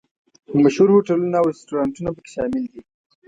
مشهور هوټلونه او رسټورانټونه په کې شامل دي.